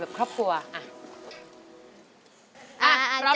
เพื่อนรักไดเกิร์ต